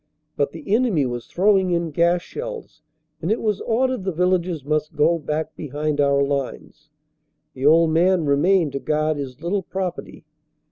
But the enemy was throwing in gas shells and it was ordered the villagers must go back behind our lines. The old man remained to guard his little property.